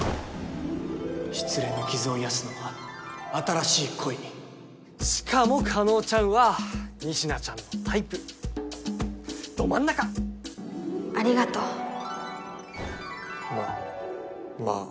失恋の傷を癒やすのは新しい恋しかも叶ちゃんは仁科ちゃんのタイプど真ん中ありがとうままあ